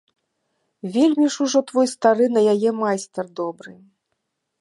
Вельмі ж ужо твой стары на яе майстар добры.